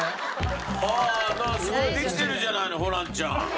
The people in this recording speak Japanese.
ああすごいできてるじゃないのホランちゃん。